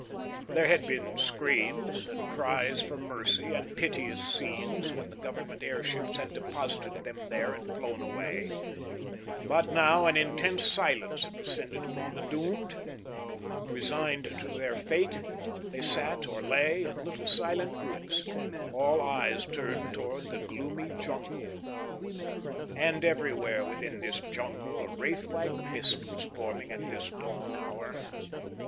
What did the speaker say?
There had been screams and cries for mercy, and piteous scenes when the Government airships had deposited them there and flown away, but now an intense silence had descended upon the doomed. Resigned to their fate, they sat or lay in little silent groups, all eyes turned toward the gloomy jungle. And everywhere within this jungle a wraith like mist was forming at this dawn hour.